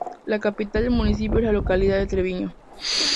La capital del municipio es la localidad de Treviño.